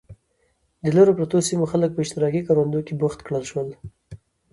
د لرو پرتو سیمو خلک په اشتراکي کروندو کې بوخت کړل شول.